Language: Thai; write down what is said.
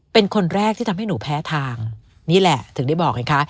เป็นคนแรกที่ทำให้หนูแพ้ทางนี่แหละถึงได้บอกไงคะ